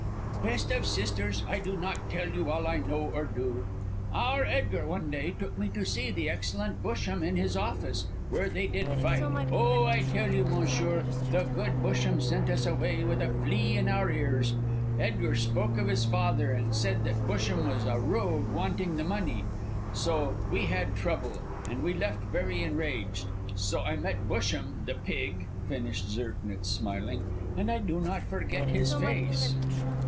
"Best of sisters, I do not tell you all I know, or do. Our Edgar one day took me to see the excellent Busham in his office, where they did fight. Oh, I tell you, monsieur, the good Busham sent us away with a flea in our ears. Edgar spoke of his father, and said that Busham was a rogue wanting the money; so we had trouble, and we left very enraged. So I met Busham, the pig," finished Zirknitz, smiling, "and I do not forget his face."